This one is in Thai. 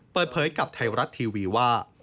เปิดเผยกับไทยรัฐทีวีว่า